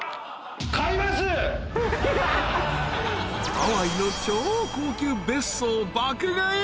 ［ハワイの超高級別荘爆買い。